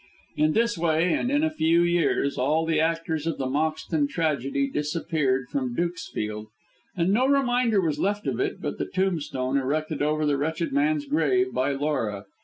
In this way and in a few years all the actors in the Moxton tragedy disappeared from Dukesfield, and no reminder was left of it but the tombstone erected over the wretched man's grave by Laura.